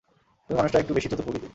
তুমি মানুষটা একটু বেশিই চতুর প্রকৃতির।